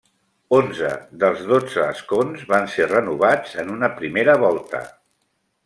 Onze dels dotze escons van ser renovats en una primera volta.